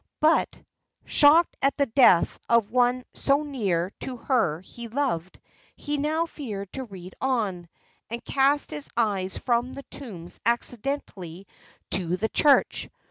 But, shocked at the death of one so near to her he loved, he now feared to read on; and cast his eyes from the tombs accidentally to the church.